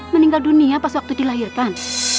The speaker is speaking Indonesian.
meninggal dunia pas waktu dilahirkan